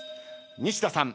西田さん